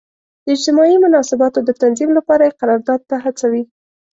د اجتماعي مناسباتو د تنظیم لپاره یې قرارداد ته هڅوي.